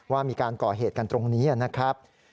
ว่ามีการก่อเหตุกันตรงนี้นะครับ